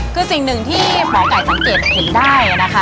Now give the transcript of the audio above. คือสิ่งหนึ่งที่หมอไก่สังเกตเห็นได้นะคะ